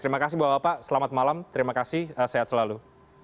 terima kasih bapak bapak selamat malam terima kasih sehat selalu